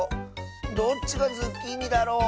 どっちがズッキーニだろ？